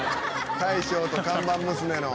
大将と看板娘の。